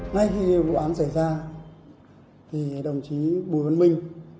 ngay khi vụ án xảy ra đồng chí bùi vân minh